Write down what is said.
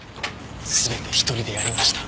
全て１人でやりました。